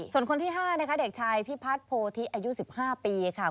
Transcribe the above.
ส่วนคนที่๕นะคะเด็กชายพิพัฒน์โพธิอายุ๑๕ปีค่ะ